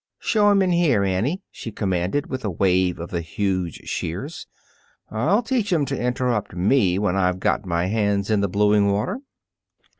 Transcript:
"Show 'em in here, Annie," she commanded, with a wave of the huge shears. "I'll teach 'em to interrupt me when I've got my hands in the bluing water."